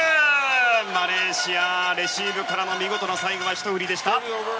マレーシア、レシーブからの最後は見事なひと振りでした。